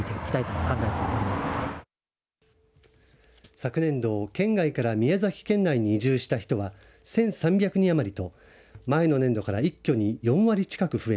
昨年度、県外から宮崎県内に移住した人は１３００人余りと前の年度から一挙に４割近く増え